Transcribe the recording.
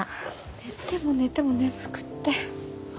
寝ても寝ても眠くって。